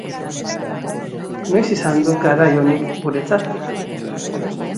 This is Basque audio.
Noiz izan duk garai onik guretzat?